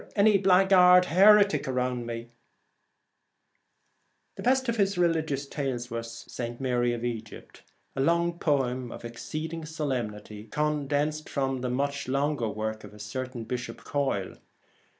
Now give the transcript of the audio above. Any blackguard heretic around me ?' The best known of his religious tales was St. Mary of Egypt, a long poem of exceeding solemnity, condensed from the much longer work of a certain Bishop Coyle.